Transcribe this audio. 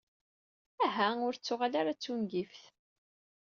Aha, ur ttuɣal ara d tungift.